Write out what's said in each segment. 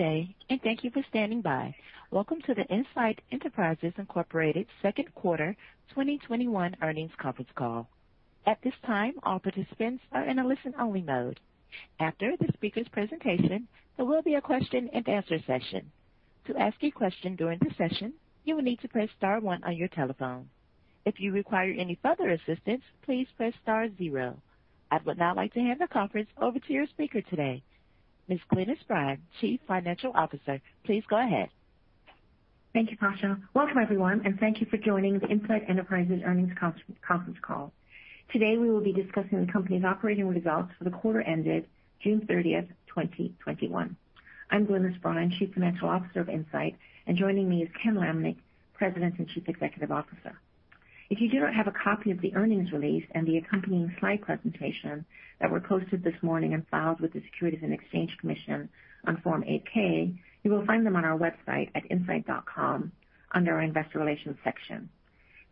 Good day, and thank you for standing by. Welcome to the Insight Enterprises, Inc second quarter 2021 earnings conference call. At this time, all participants are in a listen-only mode. After the speaker's presentation, there will be a question-and-answer session. To ask a question during the session, you will need to press star one on your telephone. If you require any further assistance, please press star zero. I would now like to hand the conference over to your speaker today, Ms. Glynis Bryan, Chief Financial Officer. Please go ahead. Thank you, Tasha. Welcome everyone. Thank you for joining the Insight Enterprises earnings conference call. Today we will be discussing the company's operating results for the quarter ended June 30th, 2021. I'm Glynis Bryan, Chief Financial Officer of Insight, and joining me is Ken Lamneck, President and Chief Executive Officer. If you do not have a copy of the earnings release and the accompanying slide presentation that were posted this morning and filed with the Securities and Exchange Commission on Form 8-K, you will find them on our website at insight.com under our investor relations section.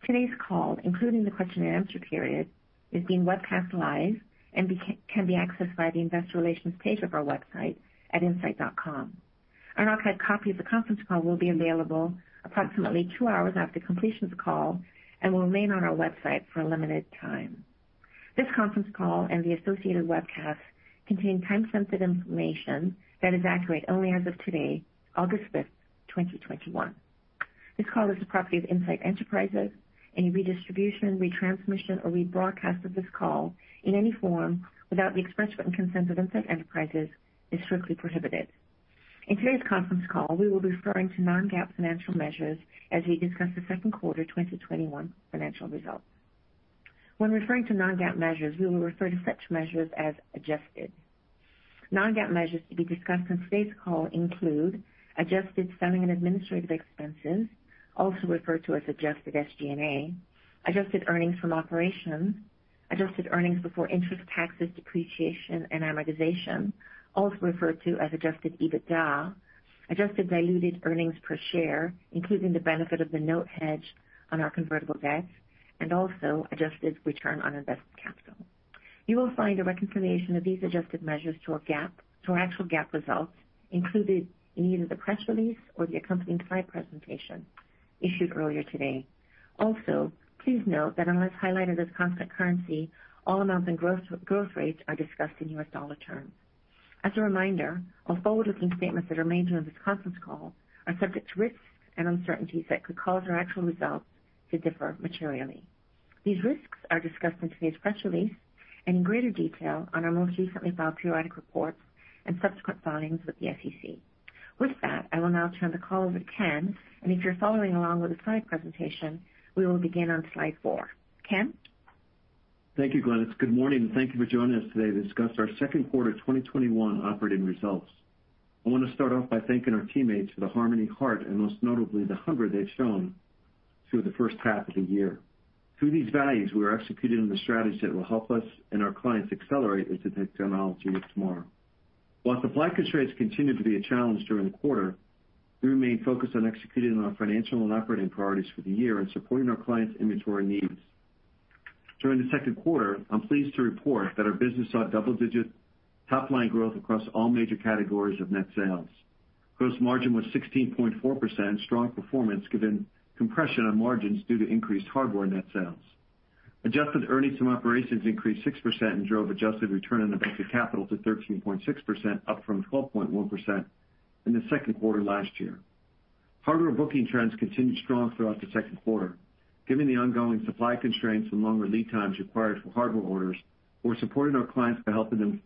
Today's call, including the question and answer period, is being webcast live and can be accessed via the investor relations page of our website at insight.com. An archived copy of the conference call will be available approximately two hours after completion of the call and will remain on our website for a limited time. This conference call and the associated webcast contain time-sensitive information that is accurate only as of today, August 5th, 2021. This call is the property of Insight Enterprises. Any redistribution, retransmission, or rebroadcast of this call in any form without the express written consent of Insight Enterprises is strictly prohibited. In today's conference call, we will be referring to non-GAAP financial measures as we discuss the second quarter 2021 financial results. When referring to non-GAAP measures, we will refer to such measures as adjusted. Non-GAAP measures to be discussed on today's call include adjusted selling and administrative expenses, also referred to as adjusted SG&A, adjusted earnings from operations, adjusted earnings before interest, taxes, depreciation, and amortization, also referred to as adjusted EBITDA, adjusted diluted earnings per share, including the benefit of the note hedge on our convertible debt, and also adjusted return on invested capital. You will find a reconciliation of these adjusted measures to our actual GAAP results included in either the press release or the accompanying slide presentation issued earlier today. Also, please note that unless highlighted as constant currency, all amounts and growth rates are discussed in U.S. dollar terms. As a reminder, all forward-looking statements that are made during this conference call are subject to risks and uncertainties that could cause our actual results to differ materially. These risks are discussed in today's press release and in greater detail on our most recently filed periodic reports and subsequent filings with the SEC. With that, I will now turn the call over to Ken, and if you're following along with the slide presentation, we will begin on slide four. Ken? Thank you, Glynis. Good morning and thank you for joining us today to discuss our second quarter 2021 operating results. I want to start off by thanking our teammates for the harmony, heart, and most notably, the hunger they've shown through the first half of the year. Through these values, we are executing on the strategies that will help us and our clients accelerate into the technology of tomorrow. While supply constraints continued to be a challenge during the quarter, we remain focused on executing on our financial and operating priorities for the year and supporting our clients' inventory needs. During the second quarter, I'm pleased to report that our business saw double-digit top-line growth across all major categories of net sales. Gross margin was 16.4%, strong performance given compression on margins due to increased hardware net sales. Adjusted earnings from operations increased 6% and drove adjusted return on invested capital to 13.6%, up from 12.1% in the second quarter last year. Hardware booking trends continued strong throughout the second quarter. Given the ongoing supply constraints and longer lead times required for hardware orders, we're supporting our clients by helping them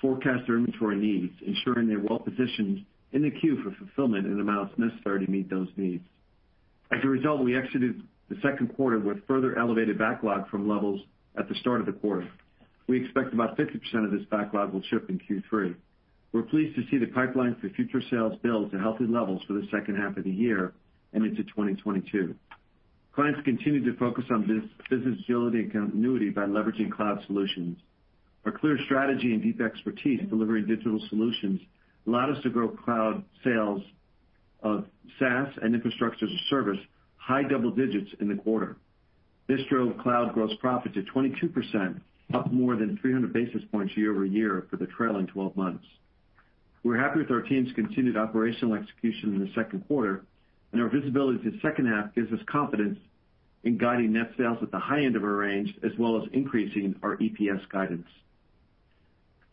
forecast their inventory needs, ensuring they're well positioned in the queue for fulfillment in amounts necessary to meet those needs. As a result, we exited the second quarter with further elevated backlog from levels at the start of the quarter. We expect about 50% of this backlog will ship in Q3. We're pleased to see the pipeline for future sales build to healthy levels for the second half of the year and into 2022. Clients continue to focus on business agility and continuity by leveraging cloud solutions. Our clear strategy and deep expertise delivering digital solutions allowed us to grow cloud sales of SaaS and infrastructure as a service high double digits in the quarter. This drove cloud gross profit to 22%, up more than 300 basis points year-over-year for the trailing 12 months. We're happy with our team's continued operational execution in the second quarter, and our visibility to the second half gives us confidence in guiding net sales at the high end of our range, as well as increasing our EPS guidance.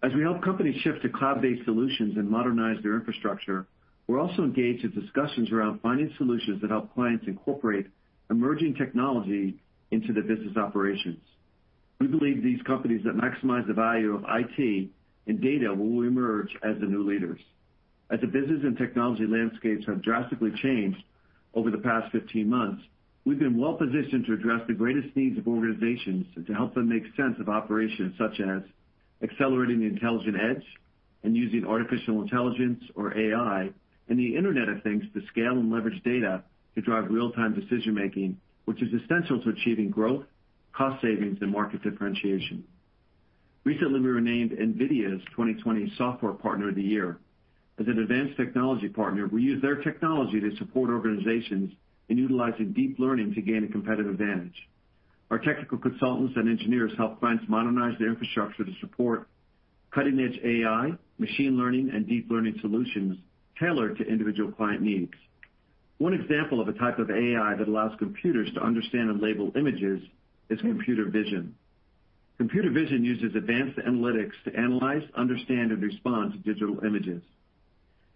As we help companies shift to cloud-based solutions and modernize their infrastructure, we're also engaged in discussions around finding solutions that help clients incorporate emerging technology into their business operations. We believe these companies that maximize the value of IT and data will emerge as the new leaders. As the business and technology landscapes have drastically changed over the past 15 months, we've been well positioned to address the greatest needs of organizations and to help them make sense of operations such as accelerating the intelligent edge and using artificial intelligence, or AI, and the Internet of Things to scale and leverage data to drive real-time decision-making, which is essential to achieving growth, cost savings, and market differentiation. Recently, we were named NVIDIA's 2020 Software Partner of the Year. As an advanced technology partner, we use their technology to support organizations in utilizing deep learning to gain a competitive advantage. Our technical consultants and engineers help clients modernize their infrastructure to support cutting-edge AI, machine learning, and deep learning solutions tailored to individual client needs. One example of a type of AI that allows computers to understand and label images is computer vision. Computer vision uses advanced analytics to analyze, understand, and respond to digital images.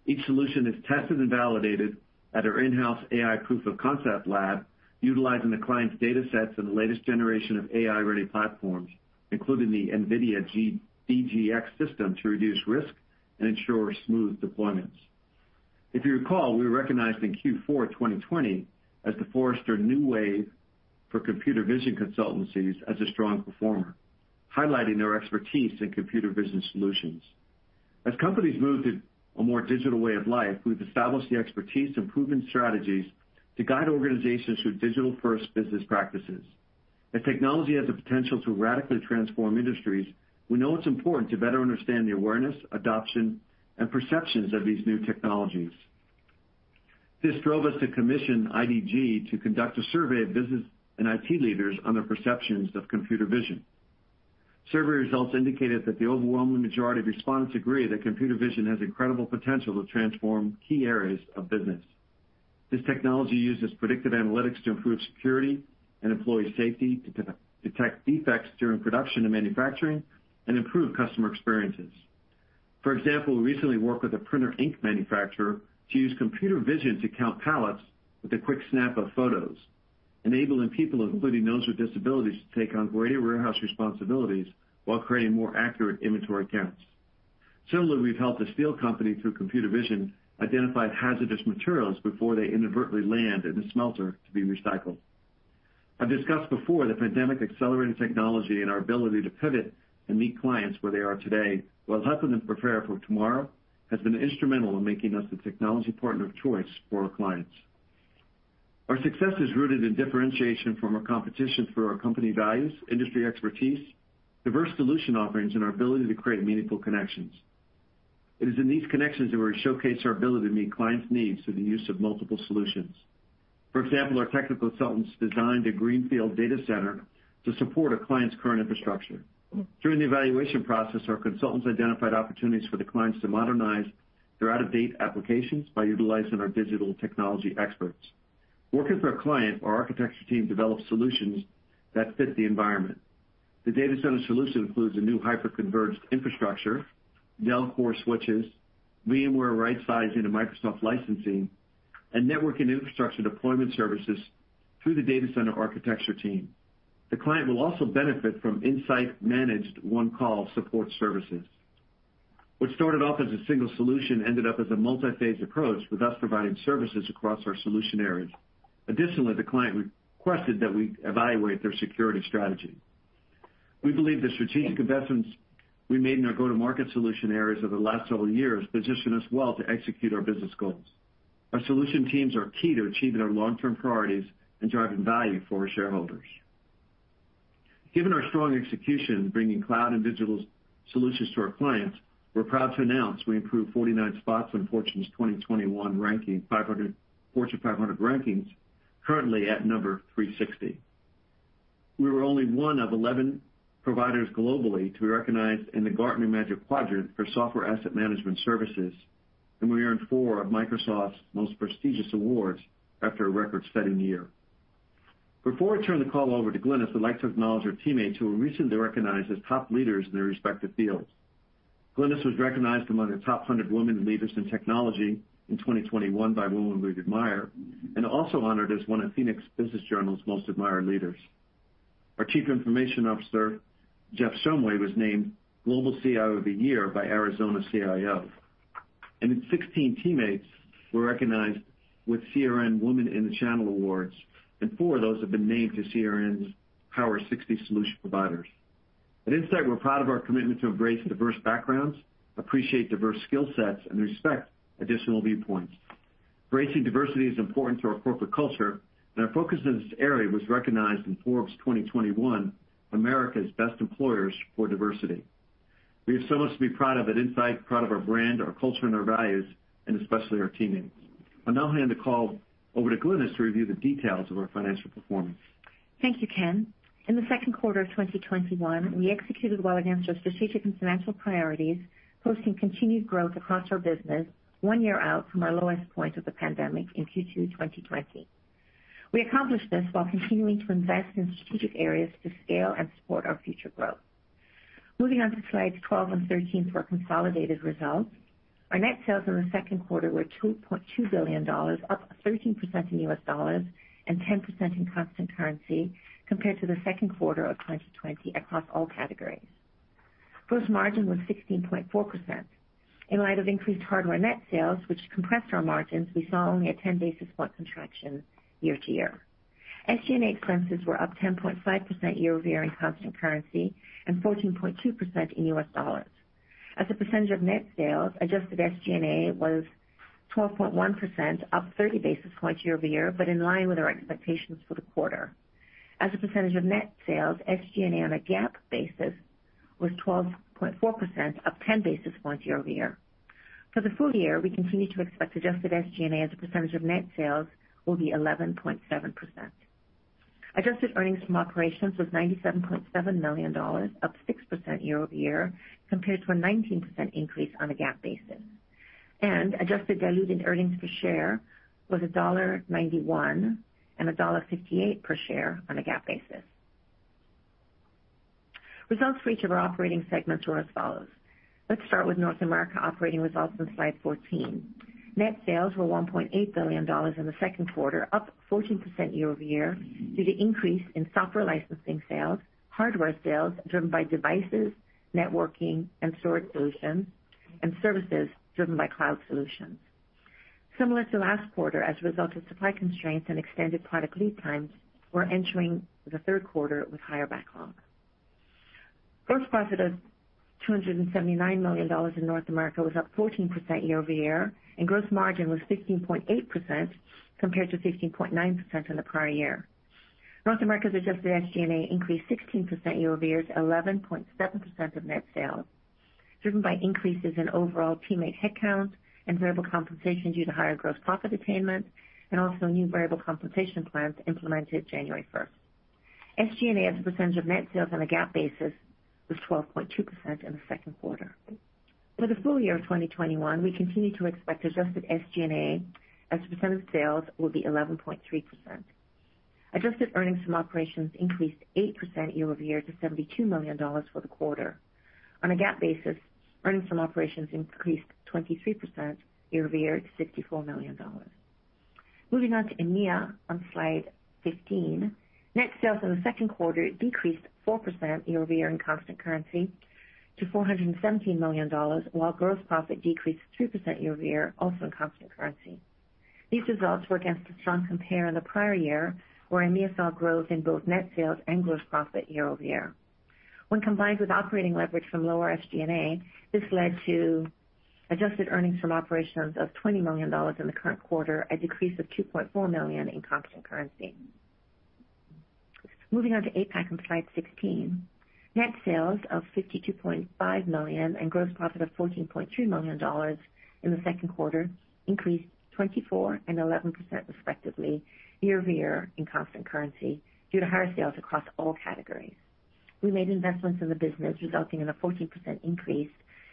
Each solution is tested and validated at our in-house AI proof of concept lab, utilizing the client's data sets and the latest generation of AI-ready platforms, including the NVIDIA DGX system, to reduce risk and ensure smooth deployments. If you recall, we were recognized in Q4 2020 as the Forrester New Wave for computer vision consultancies as a strong performer, highlighting our expertise in computer vision solutions. As companies move to a more digital way of life, we've established the expertise and proven strategies to guide organizations through digital-first business practices. As technology has the potential to radically transform industries, we know it's important to better understand the awareness, adoption, and perceptions of these new technologies. This drove us to commission IDG to conduct a survey of business and IT leaders on their perceptions of computer vision. Survey results indicated that the overwhelming majority of respondents agree that computer vision has incredible potential to transform key areas of business. This technology uses predictive analytics to improve security and employee safety, to detect defects during production and manufacturing, and improve customer experiences. For example, we recently worked with a printer ink manufacturer to use computer vision to count pallets with a quick snap of photos, enabling people, including those with disabilities, to take on greater warehouse responsibilities while creating more accurate inventory counts. Similarly, we've helped a steel company, through computer vision, identify hazardous materials before they inadvertently land in a smelter to be recycled. I've discussed before the pandemic-accelerated technology, and our ability to pivot and meet clients where they are today while helping them prepare for tomorrow has been instrumental in making us the technology partner of choice for our clients. Our success is rooted in differentiation from our competition through our company values, industry expertise, diverse solution offerings, and our ability to create meaningful connections. It is in these connections that we showcase our ability to meet clients' needs through the use of multiple solutions. For example, our technical consultants designed a greenfield data center to support a client's current infrastructure. During the evaluation process, our consultants identified opportunities for the clients to modernize their out-of-date applications by utilizing our digital technology experts. Working with our client, our architecture team developed solutions that fit the environment. The data center solution includes a new hyper-converged infrastructure, Dell core switches, VMware right-sized into Microsoft licensing, and network and infrastructure deployment services through the data center architecture team. The client will also benefit from Insight-managed one-call support services. What started off as a single solution ended up as a multi-phase approach, with us providing services across our solution areas. Additionally, the client requested that we evaluate their security strategy. We believe the strategic investments we made in our go-to-market solution areas over the last several years position us well to execute our business goals. Our solution teams are key to achieving our long-term priorities and driving value for our shareholders. Given our strong execution in bringing cloud and digital solutions to our clients, we're proud to announce we improved 49 spots on Fortune's 2021 Fortune 500 rankings, currently at number 360. We were only 1 of 11 providers globally to be recognized in the Gartner Magic Quadrant for Software Asset Management Services, and we earned four of Microsoft's most prestigious awards after a record-setting year. Before I turn the call over to Glynis, I'd like to acknowledge our teammates who were recently recognized as top leaders in their respective fields. Glynis was recognized among the Top 100 Women Leaders in Technology in 2021 by Women We Admire, and also honored as one of Phoenix Business Journal's Most Admired Leaders. Our Chief Information Officer, Jeff Shumway, was named Global CIO of the Year by ArizonaCIO. And 16 teammates were recognized with CRN Women in the Channel Awards, and four of those have been named to CRN's Power 60 Solution Providers. At Insight, we're proud of our commitment to embrace diverse backgrounds, appreciate diverse skill sets, and respect additional viewpoints. Embracing diversity is important to our corporate culture, and our focus in this area was recognized in Forbes 2021 America's Best Employers for Diversity. We have so much to be proud of at Insight, proud of our brand, our culture, and our values, and especially our teammates. I'll now hand the call over to Glynis to review the details of our financial performance. Thank you, Ken. In the second quarter of 2021, we executed well against our strategic and financial priorities, posting continued growth across our business one year out from our lowest point of the pandemic in Q2 2020. We accomplished this while continuing to invest in strategic areas to scale and support our future growth. Moving on to slides 12 and 13 for consolidated results. Our net sales in the second quarter were $2.2 billion, up 13% in U.S. dollars and 10% in constant currency compared to the second quarter of 2020 across all categories. Gross margin was 16.4%. In light of increased hardware net sales, which compressed our margins, we saw only a 10-basis point contraction year to year. SG&A expenses were up 10.5% year-over-year in constant currency and 14.2% in U.S. dollars. As a percentage of net sales, adjusted SG&A was 12.1%, up 30 basis points year-over-year, but in line with our expectations for the quarter. As a percentage of net sales, SG&A on a GAAP basis was 12.4%, up 10 basis points year-over-year. For the full year, we continue to expect adjusted SG&A as a percentage of net sales will be 11.7%. Adjusted earnings from operations was $97.7 million, up 6% year-over-year, compared to a 19% increase on a GAAP basis. Adjusted diluted earnings per share was $1.91 and $1.58 per share on a GAAP basis. Results for each of our operating segments were as follows. Let's start with North America operating results on slide 14. Net sales were $1.8 billion in the second quarter, up 14% year-over-year due to increase in software licensing sales, hardware sales driven by devices, networking, and storage solutions, and services driven by cloud solutions. Similar to last quarter, as a result of supply constraints and extended product lead times, we're entering the third quarter with higher backlog. Gross profit of $279 million in North America was up 14% year-over-year, and gross margin was 15.8% compared to 15.9% in the prior year. North America's adjusted SG&A increased 16% year-over-year to 11.7% of net sales, driven by increases in overall teammate headcount and variable compensation due to higher gross profit attainment, and also new variable compensation plans implemented January 1st. SG&A as a percentage of net sales on a GAAP basis was 12.2% in the second quarter. For the full year of 2021, we continue to expect adjusted SG&A as a percentage of sales will be 11.3%. Adjusted earnings from operations increased 8% year-over-year to $72 million for the quarter. On a GAAP basis, earnings from operations increased 23% year-over-year to $64 million. Moving on to EMEA on slide 15. Net sales in the second quarter decreased 4% year-over-year in constant currency to $417 million, while gross profit decreased 3% year-over-year, also in constant currency. These results were against a strong compare in the prior year, where EMEA saw growth in both net sales and gross profit year-over-year. When combined with operating leverage from lower SG&A, this led to adjusted earnings from operations of $20 million in the current quarter, a decrease of $2.4 million in constant currency. Moving on to APAC on slide 16. Net sales of $52.5 million and gross profit of $14.3 million in the second quarter increased 24% and 11% respectively year-over-year in constant currency due to higher sales across all categories. We made investments in the business, resulting in a 14% increase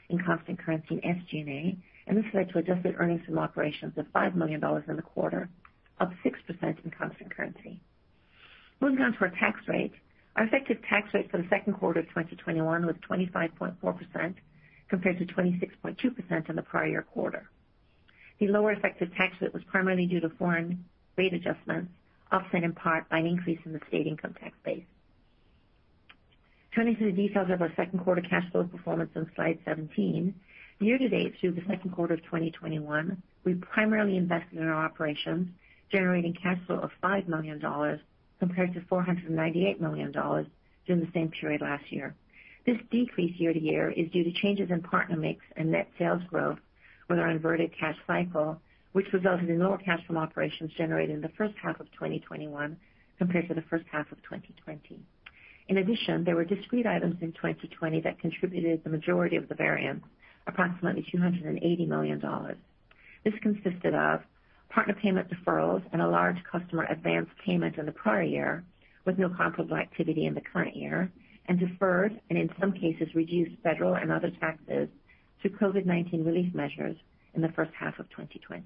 in constant currency in SG&A. This led to adjusted earnings from operations of $5 million in the quarter, up 6% in constant currency. Moving on to our tax rate. Our effective tax rate for the second quarter of 2021 was 25.4% compared to 26.2% in the prior-year quarter. The lower effective tax rate was primarily due to foreign rate adjustments, offset in part by an increase in the state income tax base. Turning to the details of our second quarter cash flow performance on slide 17. Year to date through the second quarter of 2021, we primarily invested in our operations, generating cash flow of $5 million compared to $498 million during the same period last year. This decrease year to year is due to changes in partner mix and net sales growth with our inverted cash cycle, which resulted in lower cash from operations generated in the first half of 2021 compared to the first half of 2020. In addition, there were discrete items in 2020 that contributed the majority of the variance, approximately $280 million. This consisted of partner payment deferrals and a large customer advance payment in the prior year with no comparable activity in the current year, and deferred, and in some cases, reduced federal and other taxes through COVID-19 relief measures in the first half of 2020.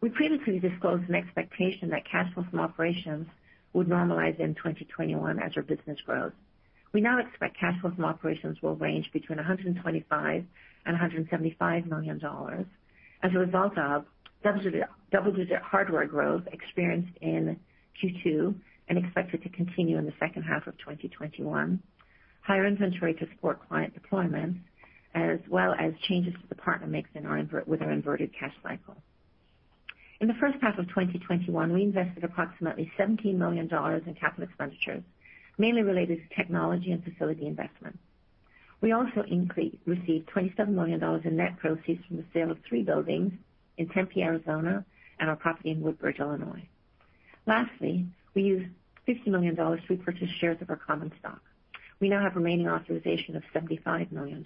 We previously disclosed an expectation that cash flow from operations would normalize in 2021 as our business grows. We now expect cash flow from operations will range between $125 million and $175 million as a result of double-digit hardware growth experienced in Q2 and expected to continue in the second half of 2021, higher inventory to support client deployments, as well as changes to the partner mix with our inverted cash cycle. In the first half of 2021, we invested approximately $17 million in capital expenditures, mainly related to technology and facility investments. We also received $27 million in net proceeds from the sale of three buildings in Tempe, Arizona, and our property in Woodridge, Illinois. Lastly, we used $50 million to repurchase shares of our common stock. We now have remaining authorization of $75 million.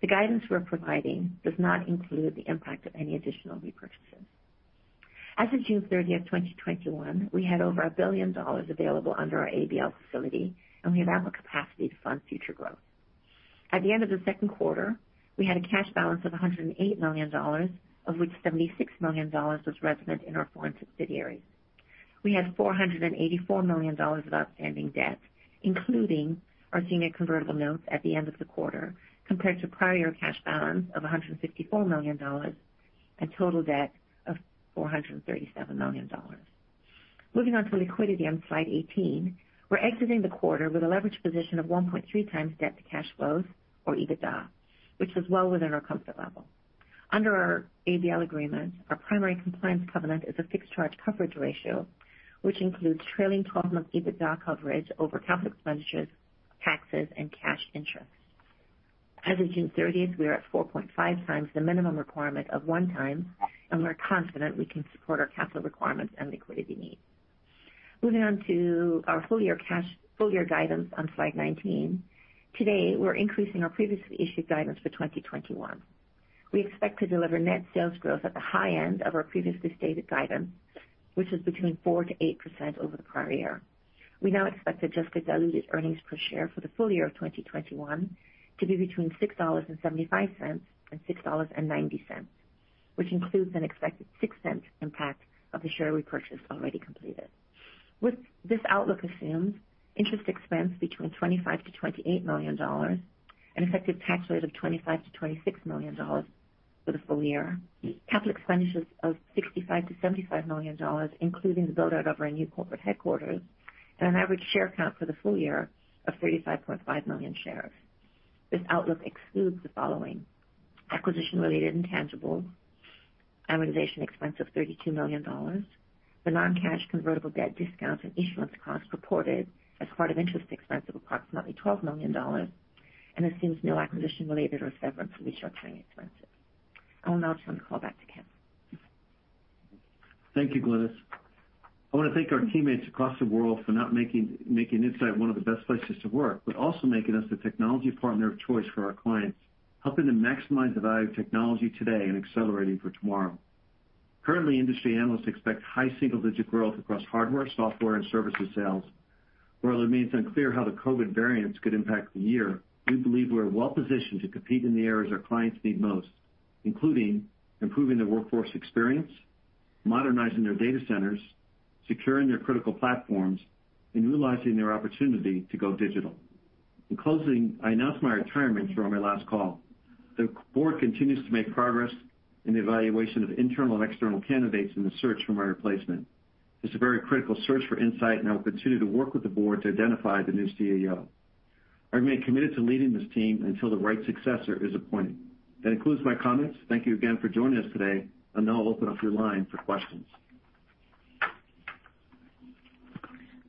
The guidance we're providing does not include the impact of any additional repurchases. As of June 30th, 2021, we had over $1 billion available under our ABL facility. We have ample capacity to fund future growth. At the end of the second quarter, we had a cash balance of $108 million, of which $76 million was resident in our foreign subsidiaries. We had $484 million of outstanding debt, including our senior convertible notes at the end of the quarter, compared to prior-year cash balance of $154 million and total debt of $437 million. Moving on to liquidity on slide 18. We're exiting the quarter with a leverage position of 1.3x debt to cash flows or EBITDA, which is well within our comfort level. Under our ABL agreement, our primary compliance covenant is a fixed charge coverage ratio, which includes trailing 12-month EBITDA coverage over capital expenditures, taxes, and cash interest. As of June 30th, we are at 4.5x the minimum requirement of one time, and we're confident we can support our capital requirements and liquidity needs. Moving on to our full-year guidance on slide 19. Today, we're increasing our previously issued guidance for 2021. We expect to deliver net sales growth at the high end of our previously stated guidance, which is between 4%-8% over the prior year. We now expect adjusted diluted earnings per share for the full year of 2021 to be between $6.75 and $6.90, which includes an expected $0.06 impact of the share repurchase already completed. This outlook assumes interest expense between $25 million-$28 million, an effective tax rate of $25 million-$26 million for the full year, capital expenditures of $65 million-$75 million, including the build-out of our new corporate headquarters, and an average share count for the full year of 35.5 million shares. This outlook excludes the following: acquisition-related intangible amortization expense of $32 million, the non-cash convertible debt discount and issuance cost reported as part of interest expense of approximately $12 million, and assumes no acquisition related or severance or restructuring expenses. I will now turn the call back to Ken. Thank you, Glynis. I want to thank our teammates across the world for making Insight one of the best places to work, but also making us the technology partner of choice for our clients, helping to maximize the value of technology today and accelerating for tomorrow. Currently, industry analysts expect high single-digit growth across hardware, software, and services sales. While it remains unclear how the COVID variants could impact the year, we believe we're well positioned to compete in the areas our clients need most, including improving their workforce experience, modernizing their data centers, securing their critical platforms, and utilizing their opportunity to go digital. In closing, I announced my retirement on my last call. The Board continues to make progress in the evaluation of internal and external candidates in the search for my replacement. It's a very critical search for Insight, and I will continue to work with the Board to identify the new CEO. I remain committed to leading this team until the right successor is appointed. That concludes my comments. Thank you again for joining us today, and I'll now open up your line for questions.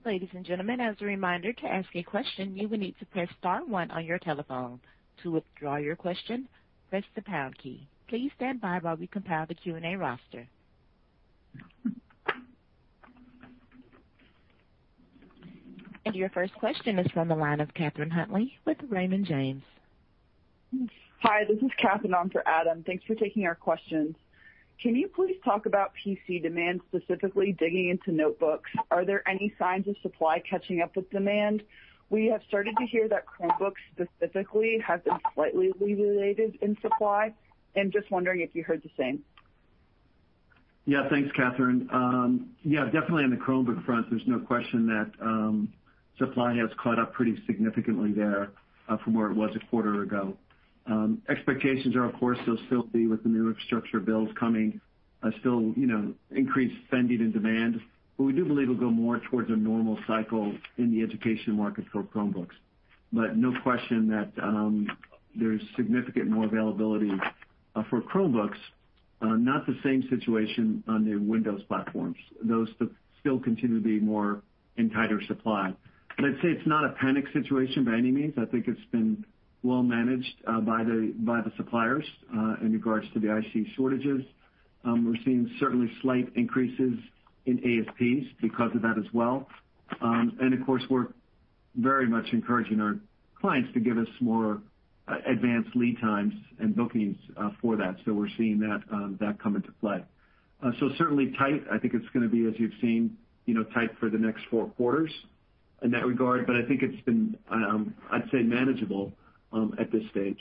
Ladies and gentlemen, as a reminder, to ask a question, you will need to press star one on your telephone. To withdraw your question, press the pound key. Please stand by while we compile the Q&A roster. Your first question is from the line of Catherine Huntley with Raymond James. Hi, this is Catherine on for Adam. Thanks for taking our questions. Can you please talk about PC demand, specifically digging into notebooks? Are there any signs of supply catching up with demand? We have started to hear that Chromebooks specifically have been slightly alleviated in supply. Just wondering if you heard the same. Yeah. Thanks, Catherine. Yeah, definitely on the Chromebook front, there's no question that supply has caught up pretty significantly there from where it was a quarter ago. Expectations are, of course, there'll still be with the new infrastructure bills coming, still increased spending and demand. We do believe it'll go more towards a normal cycle in the education market for Chromebooks. No question that there's significant more availability for Chromebooks. Not the same situation on the Windows platforms. Those still continue to be more in tighter supply. I'd say it's not a panic situation by any means. I think it's been well managed by the suppliers in regards to the IC shortages. We're seeing certainly slight increases in ASPs because of that as well. Of course, we're very much encouraging our clients to give us more advanced lead times and bookings for that. We're seeing that come into play. Certainly tight. I think it's going to be, as you've seen, tight for the next four quarters in that regard. I think it's been, I'd say, manageable at this stage.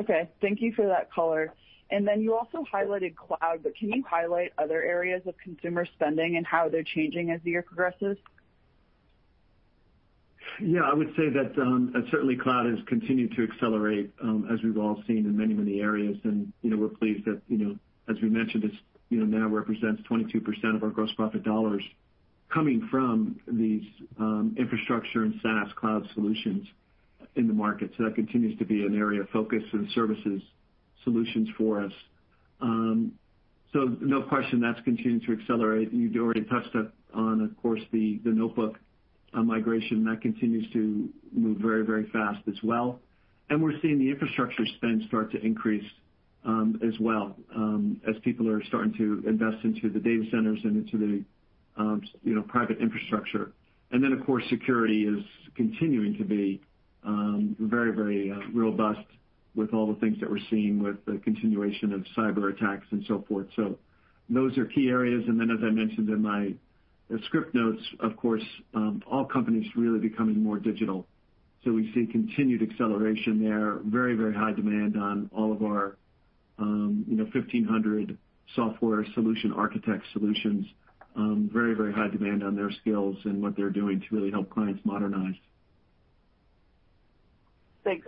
Okay. Thank you for that color. You also highlighted cloud, but can you highlight other areas of consumer spending and how they're changing as the year progresses? Yeah. I would say that certainly cloud has continued to accelerate as we've all seen in many areas, and we're pleased that, as we mentioned, this now represents 22% of our gross profit dollars coming from these infrastructure and SaaS cloud solutions in the market. That continues to be an area of focus and services solutions for us. No question, that's continuing to accelerate. You already touched on, of course, the notebook migration. That continues to move very fast as well. We're seeing the infrastructure spend start to increase as well, as people are starting to invest into the data centers and into the private infrastructure. Of course, security is continuing to be very robust with all the things that we're seeing with the continuation of cyber attacks and so forth. Those are key areas. As I mentioned in my script notes, of course, all companies really becoming more digital. We see continued acceleration there. Very high demand on all of our 1,500 software solution architect solutions. Very high demand on their skills and what they're doing to really help clients modernize. Thanks.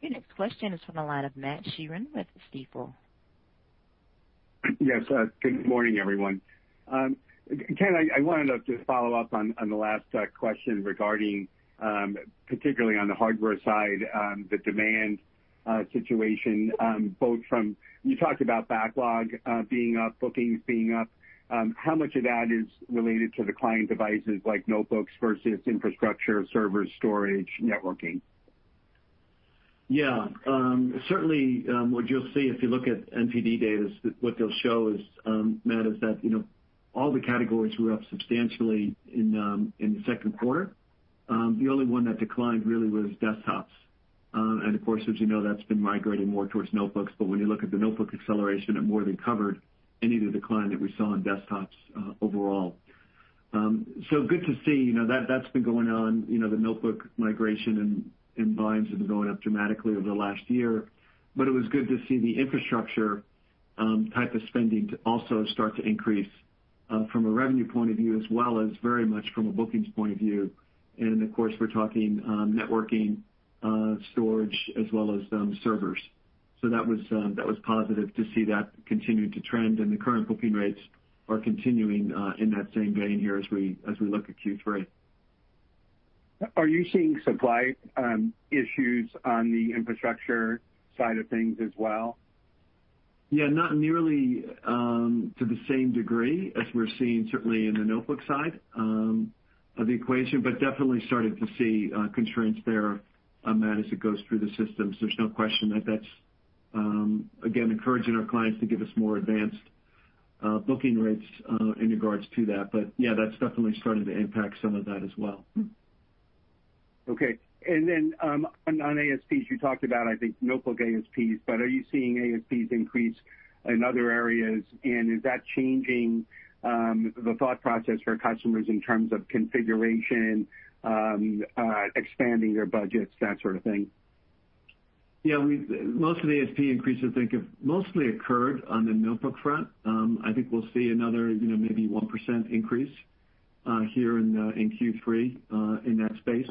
Your next question is from the line of Matt Sheerin with Stifel. Yes. Good morning, everyone. Ken, I wanted to follow up on the last question regarding, particularly on the hardware side, the demand situation. You talked about backlog being up, bookings being up. How much of that is related to the client devices like notebooks versus infrastructure, servers, storage, networking? Certainly, what you'll see if you look at NPD data, what they'll show is, Matt, is that all the categories were up substantially in the second quarter. The only one that declined really was desktops. Of course, as you know, that's been migrating more towards notebooks. When you look at the notebook acceleration, it more than covered any of the decline that we saw in desktops overall. Good to see. That's been going on, the notebook migration and volumes have been going up dramatically over the last year. It was good to see the infrastructure type of spending to also start to increase, from a revenue point of view as well as very much from a bookings point of view. Of course, we're talking networking, storage, as well as servers. That was positive to see that continue to trend, and the current booking rates are continuing in that same vein here as we look at Q3. Are you seeing supply issues on the infrastructure side of things as well? Yeah, not nearly to the same degree as we're seeing certainly in the notebook side of the equation, but definitely starting to see constraints there on that as it goes through the systems. There's no question that that's, again, encouraging our clients to give us more advanced booking rates in regards to that. Yeah, that's definitely starting to impact some of that as well. Okay. On ASPs, you talked about, I think, notebook ASPs, but are you seeing ASPs increase in other areas, and is that changing the thought process for customers in terms of configuration, expanding their budgets, that sort of thing? Most of the ASP increases, I think, have mostly occurred on the notebook front. I think we'll see another maybe 1% increase here in Q3 in that space.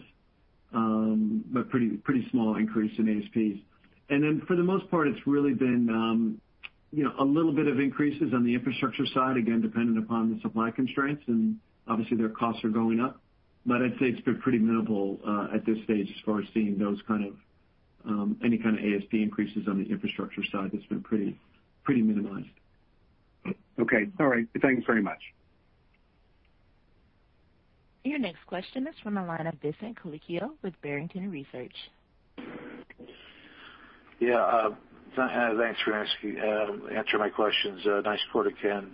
Pretty small increase in ASPs. For the most part, it's really been a little bit of increases on the infrastructure side, again, dependent upon the supply constraints, and obviously their costs are going up. I'd say it's been pretty minimal at this stage as far as seeing any kind of ASP increases on the infrastructure side. It's been pretty minimized. Okay. All right. Thanks very much. Your next question is from the line of Vincent Colicchio with Barrington Research. Yeah. Thanks for answering my questions. Nice quarter, Ken.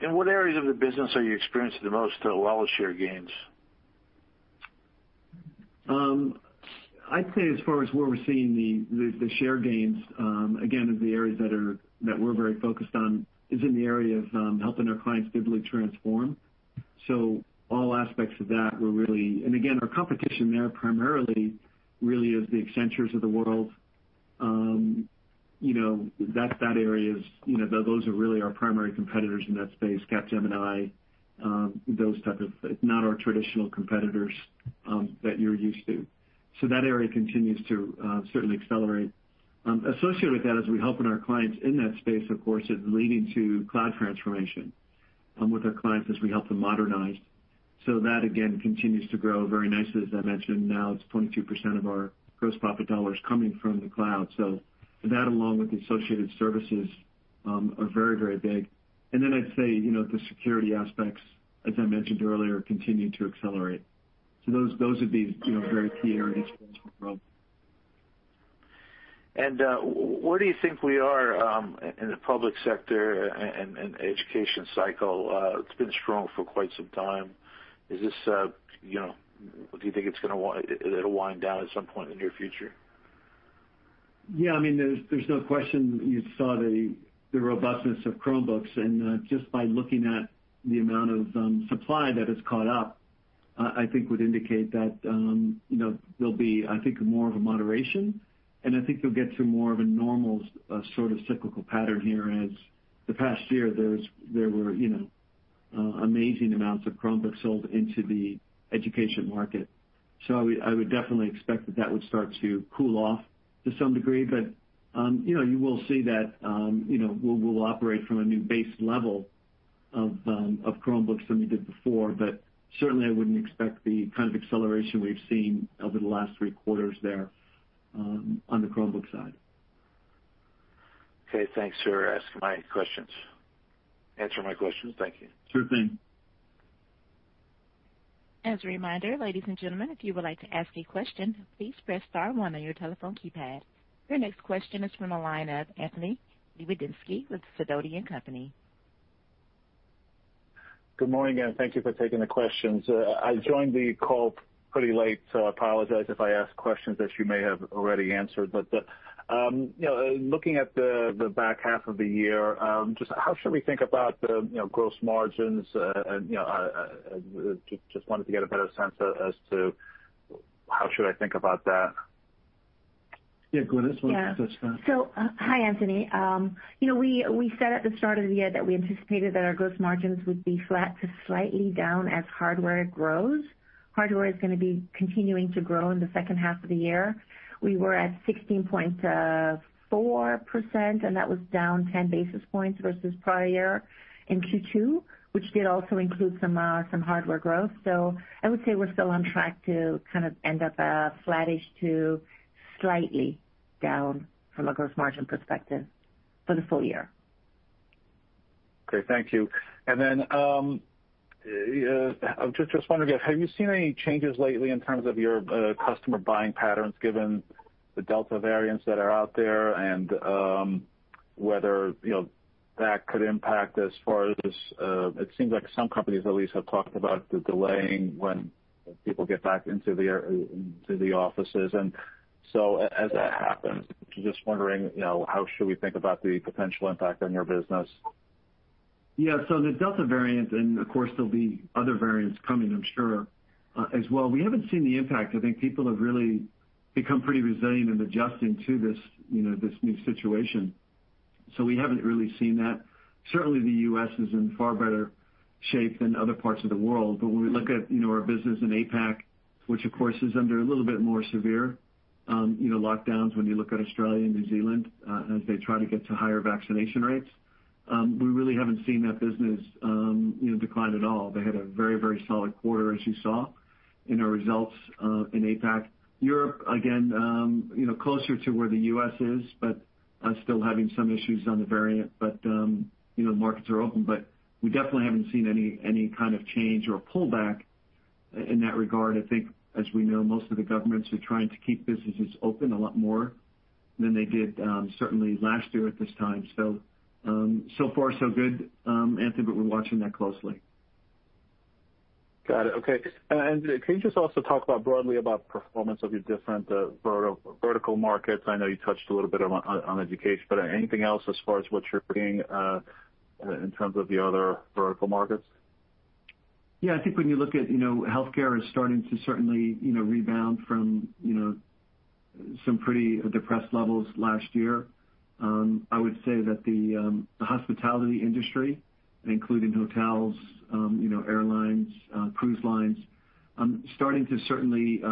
In what areas of the business are you experiencing the most wallet share gains? I'd say as far as where we're seeing the share gains, again, in the areas that we're very focused on is in the area of helping our clients digitally transform. All aspects of that, we're really. Again, our competition there primarily really is the Accentures of the world. Those are really our primary competitors in that space, Capgemini, those type of, not our traditional competitors that you're used to. That area continues to certainly accelerate. Associated with that as we helping our clients in that space, of course, is leading to cloud transformation with our clients as we help them modernize. That, again, continues to grow very nicely. As I mentioned, now it's 22% of our gross profit dollars coming from the cloud. That, along with the associated services, are very, very big. Then I'd say, the security aspects, as I mentioned earlier, continue to accelerate. Those would be very key areas for us going forward. Where do you think we are in the public sector and education cycle? It's been strong for quite some time. Do you think it'll wind down at some point in the near future? Yeah. There's no question you saw the robustness of Chromebooks, just by looking at the amount of supply that has caught up, I think would indicate that there'll be, I think, more of a moderation. I think you'll get to more of a normal sort of cyclical pattern here as the past year, there were amazing amounts of Chromebooks sold into the education market. I would definitely expect that that would start to cool off to some degree. You will see that we'll operate from a new base level of Chromebooks than we did before, but certainly I wouldn't expect the kind of acceleration we've seen over the last three quarters there on the Chromebook side. Okay, thanks for answering my questions. Thank you. Sure thing. As a reminder, ladies and gentlemen, if you would like to ask a question, please press star one on your telephone keypad. Your next question is from the line of Anthony Lebiedzinski with Sidoti & Company. Good morning, thank you for taking the questions. I joined the call pretty late, so I apologize if I ask questions that you may have already answered. Looking at the back half of the year, just how should we think about the gross margins? Just wanted to get a better sense as to how should I think about that. Yeah, Glynis, why don't you touch that? Yeah. Hi, Anthony. We said at the start of the year that we anticipated that our gross margins would be flat to slightly down as hardware grows. Hardware is going to be continuing to grow in the second half of the year. We were at 16.4%, and that was down 10 basis points versus prior year in Q2, which did also include some hardware growth. I would say we're still on track to kind of end up flattish to slightly down from a gross margin perspective for the full year. Great. Thank you. Then, I'm just wondering, have you seen any changes lately in terms of your customer buying patterns, given the Delta variants that are out there and whether that could impact as far as it seems like some companies at least have talked about the delaying when people get back into the offices. So as that happens, just wondering, how should we think about the potential impact on your business? The Delta variant, and of course there'll be other variants coming, I'm sure, as well. We haven't seen the impact. I think people have really become pretty resilient in adjusting to this new situation. We haven't really seen that. Certainly, the U.S. is in far better shape than other parts of the world. When we look at our business in APAC, which of course is under a little bit more severe lockdowns when you look at Australia and New Zealand, as they try to get to higher vaccination rates. We really haven't seen that business decline at all. They had a very solid quarter, as you saw in our results, in APAC. Europe, again, closer to where the U.S. is, but still having some issues on the variant. Markets are open, but we definitely haven't seen any kind of change or pullback in that regard. I think, as we know, most of the governments are trying to keep businesses open a lot more than they did, certainly last year at this time. Far so good, Anthony, but we're watching that closely. Got it. Okay. Can you just also talk broadly about performance of your different vertical markets? I know you touched a little bit on education, but anything else as far as what you're seeing in terms of the other vertical markets? I think when you look at healthcare is starting to certainly rebound from some pretty depressed levels last year. I would say that the hospitality industry, including hotels, airlines, cruise lines, starting to certainly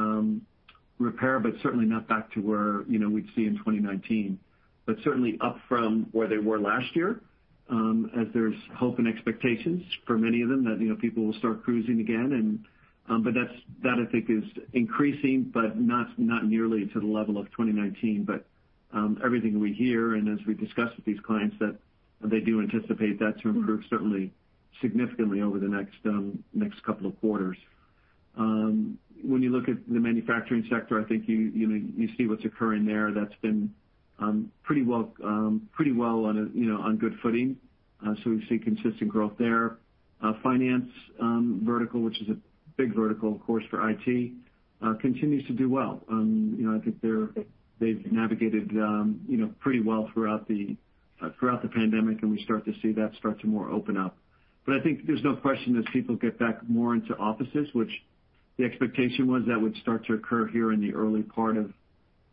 repair, but certainly not back to where we'd see in 2019. Certainly up from where they were last year, as there's hope and expectations for many of them that people will start cruising again. That I think is increasing, but not nearly to the level of 2019. Everything we hear, and as we discussed with these clients, that they do anticipate that to improve certainly significantly over the next couple of quarters. When you look at the manufacturing sector, I think you see what's occurring there. That's been pretty well on good footing. We see consistent growth there. Finance vertical, which is a big vertical, of course, for IT, continues to do well. I think they've navigated pretty well throughout the pandemic, and we start to see that start to more open up. I think there's no question as people get back more into offices, which the expectation was that would start to occur here in the early part of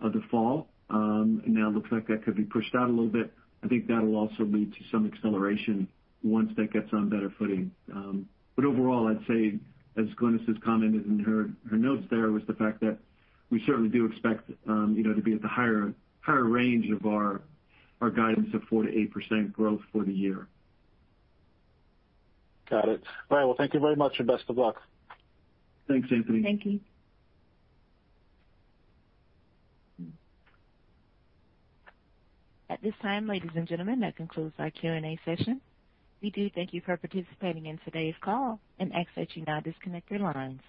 the fall. Now it looks like that could be pushed out a little bit. I think that'll also lead to some acceleration once that gets on better footing. Overall, I'd say, as Glynis has commented in her notes there, was the fact that we certainly do expect to be at the higher range of our guidance of 4%-8% growth for the year. Got it. All right. Well, thank you very much, and best of luck. Thanks, Anthony. Thank you. At this time, ladies and gentlemen, that concludes our Q&A session. We do thank you for participating in today's call and ask that you now disconnect your lines.